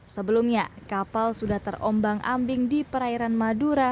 sebelumnya kapal sudah terombang ambing di perairan madura